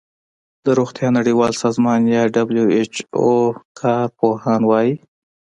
د روغتیا نړیوال سازمان یا ډبلیو ایچ او کار پوهان وايي